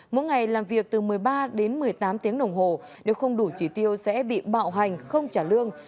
mỗi ngày làm việc từ một mươi ba đến một mươi tám tiếng đồng hồ nếu không đủ chỉ tiêu sẽ bị bạo hành không trả lương